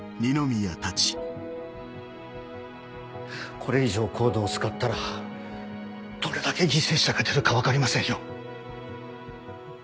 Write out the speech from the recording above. これ以上ＣＯＤＥを使ったらどれだけ犠牲者が出るか分かりませんよ。